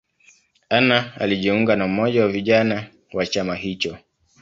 Anna alijiunga na umoja wa vijana wa chama hicho.